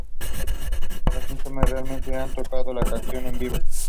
Los Stones raramente han tocado la canción en vivo.